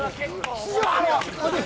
師匠。